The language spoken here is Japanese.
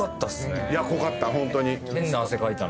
濃かったホントに。